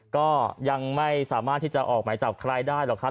ก็ยังไม่สามารถที่จะออกหมายจับใครได้หรอกครับ